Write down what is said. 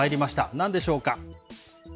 なんでしょうか。